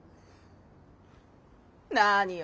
何よ？